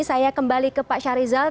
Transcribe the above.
saya kembali ke pak syarizal